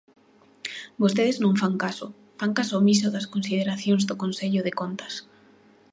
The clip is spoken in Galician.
Vostedes non fan caso, fan caso omiso das consideracións do Consello de Contas.